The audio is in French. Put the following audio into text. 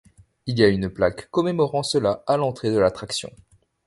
Il y a une plaque commémorant cela à l'entrée de l'attraction.